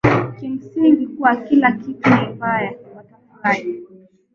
kimsingi kuwa kila kitu ni mbaya watafurahi